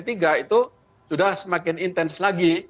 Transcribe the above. itu sudah semakin intens lagi